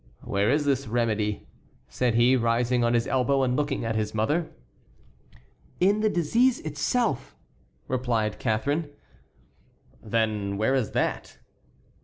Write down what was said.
"Where is this remedy?" said he, rising on his elbow and looking at his mother. "In the disease itself," replied Catharine. "Then where is that?"